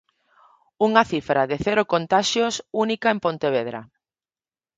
Unha cifra de cero contaxios única en Pontevedra.